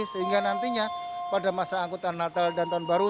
sehingga nantinya pada masa angkutan natal dan tahun baru